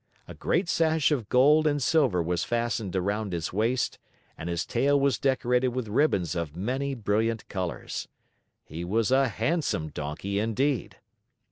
A great sash of gold and silver was fastened around his waist and his tail was decorated with ribbons of many brilliant colors. He was a handsome Donkey indeed!